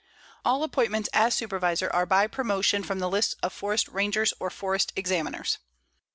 All appointments as Supervisor are by promotion from the lists of Forest Rangers or Forest Examiners.